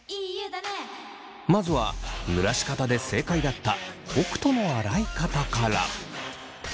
まずはぬらし方で正解だった北斗の洗い方から。